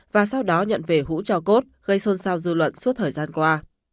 và sau đó nhận về hũ cho cốt gây xôn xao dư luận suốt thời gian qua